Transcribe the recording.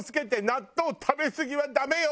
納豆食べすぎはダメよ！